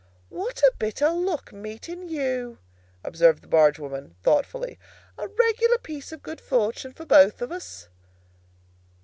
"What a bit of luck, meeting you!" observed the barge woman, thoughtfully. "A regular piece of good fortune for both of us!"